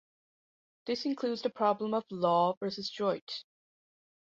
This includes the problem of "law" versus "droit".